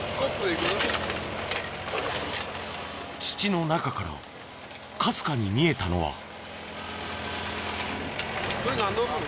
土の中からかすかに見えたのは。